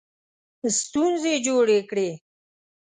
ستونزې جوړې کړې.